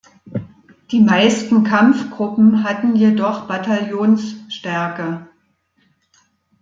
Die meisten Kampfgruppen hatten jedoch Bataillonsstärke.